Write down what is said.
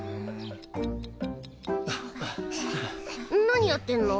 何やってんの？